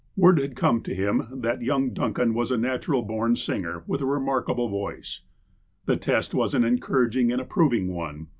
Word had come to him that young Duncan was a natural born singer, with a remarkable voice. The test was an encouraging and approving one.